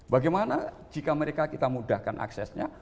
bagaimana jika mereka kita mudahkan aksesnya